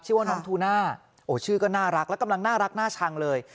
ว่าน้องทูน่าชื่อก็น่ารักและกำลังน่ารักน่าชังเลย